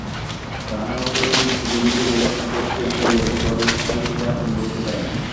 Run আউটের দিক থেকে নিজেকে রক্ষা করতে পেলেও দলে স্থায়ীভাবে আসন গড়তে পারেননি।